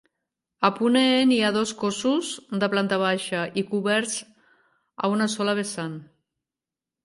A ponent hi ha dos cossos de planta baixa i coberts a una sola vessant.